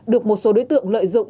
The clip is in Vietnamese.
được một số đối tượng lợi dụng